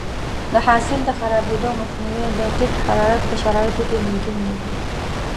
د حاصل د خرابېدو مخنیوی د ټیټ حرارت په شرایطو کې ممکن دی.